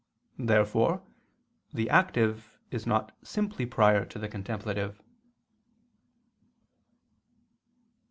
Therefore the active is not simply prior to the contemplative. Obj.